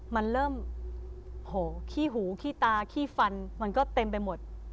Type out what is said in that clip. มันเริ่มโหขี้หูขี้ตาขี้ฟันมันก็เต็มไปหมด